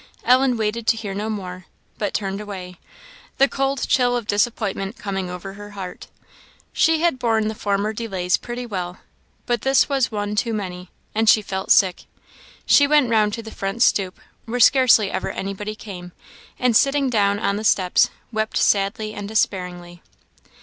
Ellen waited to hear no more, but turned away, the cold chill of disappointment coming over her heart. She had borne the former delays pretty well, but this was one too many, and she felt sick. She went round to the front stoop, where scarcely ever anybody came, and sitting down on the steps, wept sadly and despairingly.